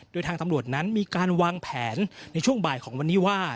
โดยทางตำรวจนั้นมีการวางแผนในช่วงบ่ายของวันนี้ว่า